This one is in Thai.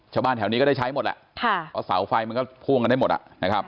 ชาวบ้านแถวนี้ก็ได้ใช้หมดแหละค่ะเพราะเสาไฟมันก็พ่วงกันได้หมดอ่ะนะครับ